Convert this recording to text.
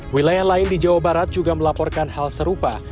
wilayah lain di jawa barat juga melaporkan hal serupa